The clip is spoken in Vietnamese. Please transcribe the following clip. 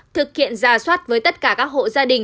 thực hiện giả soát với tất cả các hộ gia đình